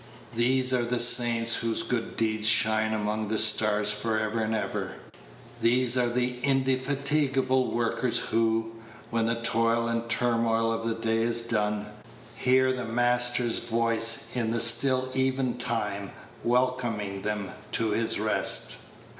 These are the saints whose good deeds shine among the stars for ever and ever; these are the indefatigable workers who, when the toil and turmoil of the day is done, hear the Master's voice in the still even time welcoming them to His rest.